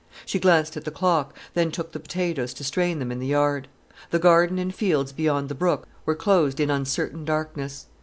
She glanced at the clock, then took the potatoes to strain them in the yard. The garden and fields beyond the brook were closed in uncertain darkness.